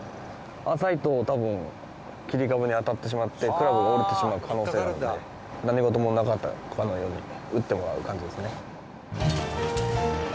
浅いと多分切り株に当たってしまってクラブが折れてしまう可能性があるので何事もなかったかのように打ってもらう感じですね。